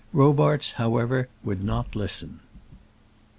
Robarts, however, would not listen.